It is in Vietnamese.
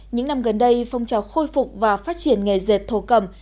những năm gần đây phong trào khôi phục và phát triển nghề dệt thổ cầm